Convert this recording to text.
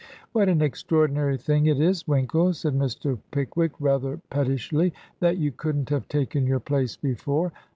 ' What an extraordinary thing it is. Winkle,' said Mr. Pickwick, rather pettishly, 'that you couldn't have taken your place before.'